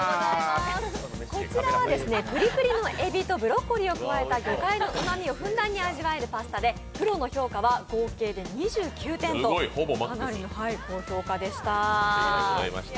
こちらはぷりぷりのえびとブロッコリーを加えた魚介のうまみをふんだんに味わえるパスタでプロの評価は、合計で２９点とかなりの高評価でした。